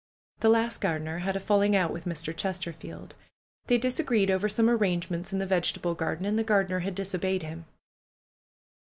The last gardener had a falling out with Mr. Ches terfield. They disagreed over some arrangements in the vegetable garden and the gardener had disobeyed him.